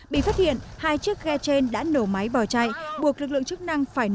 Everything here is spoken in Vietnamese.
bị phát hiện hai chiếc ghe trên đã nổ máy bỏ chạy buộc lực lượng chức năng phải nổ